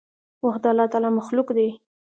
وخت د الله تعالي مخلوق دی.